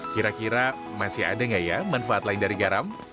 kira kira masih ada nggak ya manfaat lain dari garam